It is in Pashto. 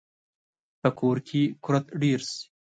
په کور کې کورت ډیر شي